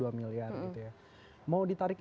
dua miliar gitu ya mau ditarik